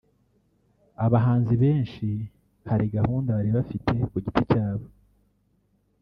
abahanzi benshi hari gahunda bari bafite ku giti cyabo